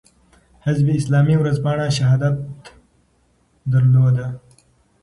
حزب اسلامي ورځپاڼه "شهادت" درلوده.